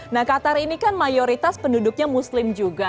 nah qatar ini kan mayoritas penduduknya muslim juga